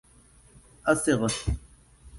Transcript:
أصغ!